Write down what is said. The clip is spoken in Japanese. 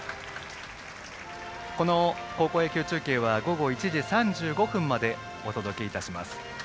この高校野球中継は午後１時３５分までお届けいたします。